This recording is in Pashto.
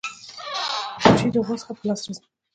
کوچي د غوا څخه په لاس راځي.